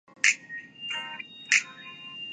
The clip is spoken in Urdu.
چابی ایک نئی بی ایم ڈبلیو کی تھی۔